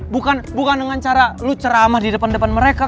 bukan dengan cara lu ceramah di depan depan mereka